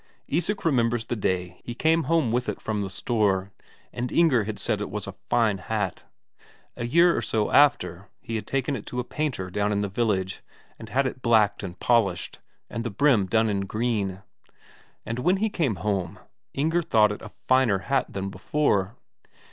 Isak remembers the day he came home with it from the store, and Inger had said it was a fine hat. A year or so after, he had taken it to a painter down in the village, and had it blacked and polished, and the brim done in green. And when he came home, Inger thought it a finer hat than before.